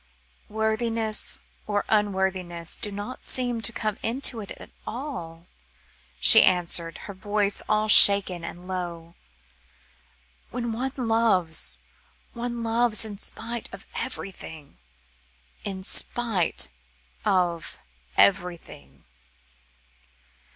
"Worthiness or unworthiness do not seem to come into it at all," she answered, her voice all shaken and low. "When one loves, one loves in spite of everything in spite of everything."